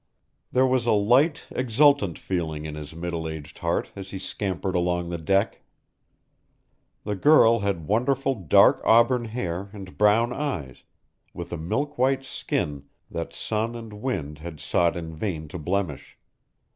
There was a light, exultant feeling in his middle aged heart as he scampered along the deck. The girl had wonderful dark auburn hair and brown eyes, with a milk white skin that sun and wind had sought in vain to blemish.